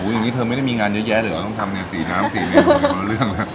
อุ้ยอย่างนี้เธอไม่ได้มีงานเยอะแยะหรือว่าต้องทำในสีน้ำสีเมลอะไรของเรื่อง